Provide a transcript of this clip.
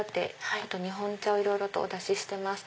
あと日本茶をいろいろとお出ししてます。